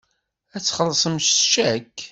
Ad txellṣem s ccak.